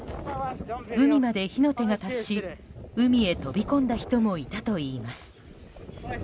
海まで火の手が達し海へ飛び込んだ人もいたといいます。